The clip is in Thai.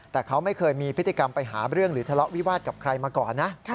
แต่เขาไม่เคยมีพฤติกรรมไปหาเรื่องหรือทะเลาะวิวาสกับใครมาก่อนนะ